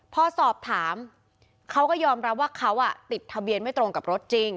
พอสอบถามเขาก็ยอมรับว่าเขาติดทะเบียนไม่ตรงกับรถจริง